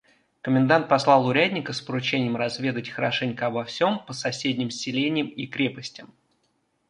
Комендант послал урядника с поручением разведать хорошенько обо всем по соседним селениям и крепостям.